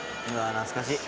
懐かしい。